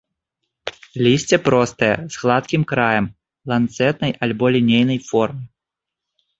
Лісце простае, з гладкім краем, ланцэтнай альбо лінейнай формы.